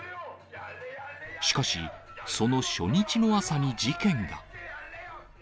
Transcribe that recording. しかし、その初日の朝に事件が。